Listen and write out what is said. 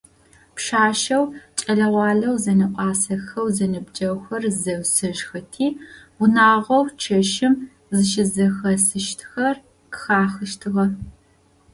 Пшъашъэу, кӏэлэ-гъуалэу зэнэӏуасэхэу зэныбджэгъухэр зэусэжьхэти, унагъоу чэщым зыщызэхэсыщтхэр къыхахыщтыгъэ.